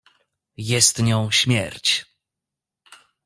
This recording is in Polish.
"Jest nią śmierć."